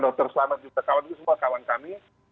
dokter selamat juga kawan itu semua kawan kami